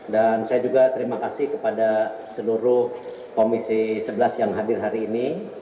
dan saya juga terima kasih kepada seluruh komisi sebelas yang hadir hari ini